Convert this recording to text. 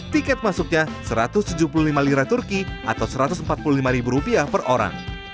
tiket masuknya satu ratus tujuh puluh lima lira turki atau satu ratus empat puluh lima per orang